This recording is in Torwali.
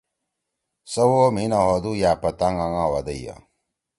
سوو مھی نہ ہودُو یأ پھتانگ آنگا وا دئیا